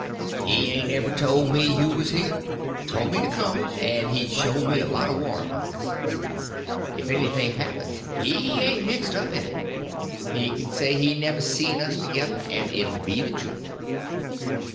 He ain't ever told me you was here; told me to come, and he'd show me a lot of water moccasins. If anything happens he ain't mixed up in it. He can say he never seen us together, and it 'll be the truth."